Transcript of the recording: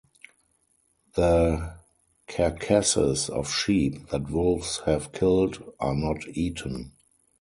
The carcasses of sheep that wolves have killed are not eaten.